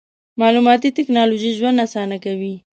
مالوماتي ټکنالوژي ژوند اسانه کوي.